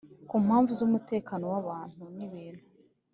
Ku mpamvu z umutekano w abantu n ibintu